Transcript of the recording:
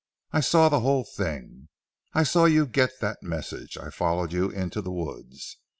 I saw the whole thing. I saw you get that message. I followed you into the woods.